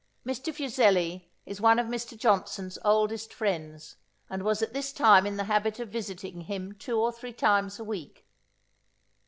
Mr. Fuseli is one of Mr. Johnson's oldest friends, and was at this time in the habit of visiting him two or three times a week.